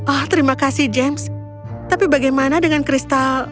oh terima kasih james tapi bagaimana dengan kristal